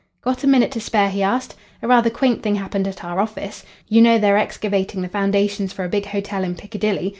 "Got a minute to spare?" he asked. "A rather quaint thing happened at our office. You know they're excavating the foundations for a big hotel in Piccadilly?